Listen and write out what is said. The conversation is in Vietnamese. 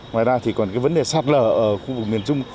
ngoài ra thì còn cái vấn đề sạt lở ở khu vực miền trung